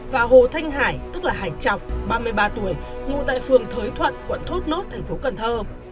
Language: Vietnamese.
và hồ thanh hải tức là hải trọng ba mươi ba tuổi ngụ tại phường thới thuận quận thốt nốt thành phố cần thơ